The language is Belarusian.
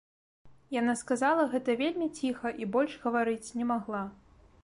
Яна сказала гэта вельмі ціха і больш гаварыць не магла.